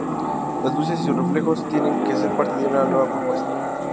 Las luces y sus reflejos viene a ser parte de esta nueva propuesta.